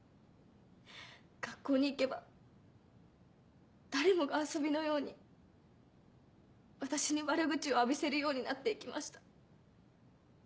学校に行けば誰もが遊びのように私に悪口を浴びせるようになっていきました。